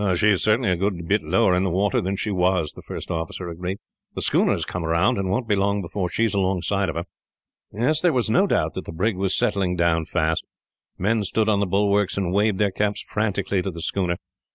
"She is certainly a good bit lower in the water than she was," the first officer agreed. "The schooner has come round, and won't be long before she is alongside of her." There was no doubt that the brig was settling down fast. Men stood on the bulwarks, and waved their caps frantically to the schooner.